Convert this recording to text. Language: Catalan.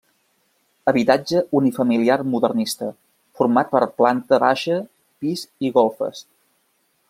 Habitatge unifamiliar modernista, format per planta baixa, pis i golfes.